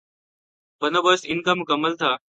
بندوبست ان کا مکمل تھا۔